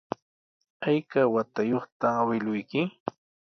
¿Ayka watayuqta awkilluyki?